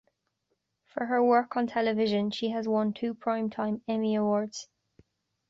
For her work on television, she has won two Primetime Emmy Awards.